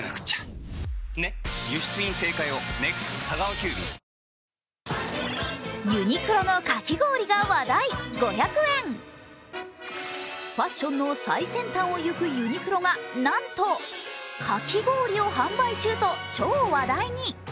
ヒューマンヘルスケアのエーザイファッションの最先端をいくユニクロがなんと、かき氷を販売中と超話題に。